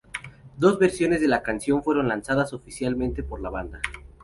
Dos versiones de la canción fueron lanzadas oficialmente por la banda.